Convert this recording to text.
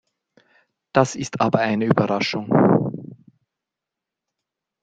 Das ist aber eine Überraschung.